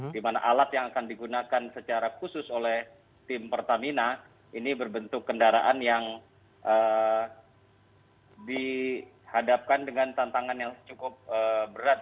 di mana alat yang akan digunakan secara khusus oleh tim pertamina ini berbentuk kendaraan yang dihadapkan dengan tantangan yang cukup berat